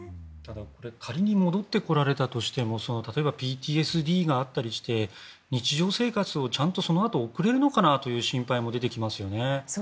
仮に戻ってこられたとしても例えば、ＰＴＳＤがあったりして日常生活をちゃんと送れるのかという心配も出てきますよね。